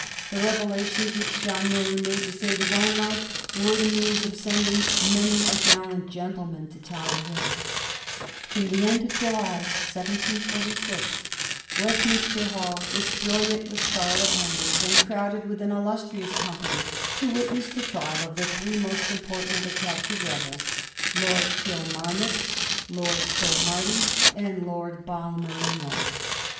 The revelations which John Murray made to save his own life were the means of sending many a gallant gentleman to Tower Hill. In the end of July (of 174(5) Westminster Hall was 228 A HISTORY OF THE FOUR GEORGEa cblxxxvi. brilliant with scarlet hangings, and crowded with an il lustrious company, to witness the trial of the three most important of the captured rebels, Lord Kilmarnock, Lord Cromarty, and Lord Balmerino.